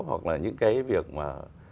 hoặc là những cái việc mà